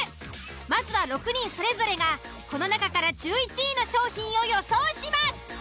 まずは６人それぞれがこの中から１１位の商品を予想します。